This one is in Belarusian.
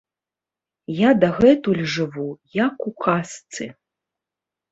Я дагэтуль жыву, як у казцы.